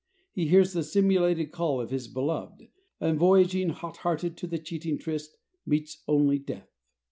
He hears the simulated call of his beloved, and voyaging hot hearted to the cheating tryst meets only death.